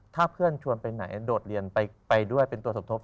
ถ้าเพื่อนชวนไปไหนโดดเรียนไปด้วยเป็นตัวสมทบ